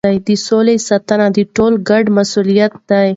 د سولې ساتنه د ټولو ګډ مسؤلیت دی.